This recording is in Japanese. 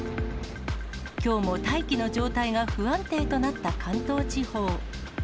きょうも大気の状態が不安定となった関東地方。